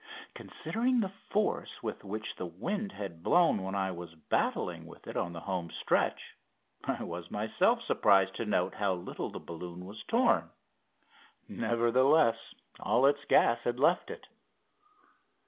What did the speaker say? Considering the force with which the wind had blown when I was battling with it on the home stretch I was myself surprised to note how little the balloon was torn. Nevertheless, all its gas had left it.